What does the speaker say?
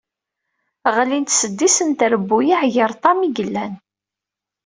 Ɣlint seddis n trebbuyaɛ gar ṭam i yellan.